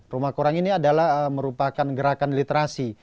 rumah kurang ini adalah merupakan gerakan literasi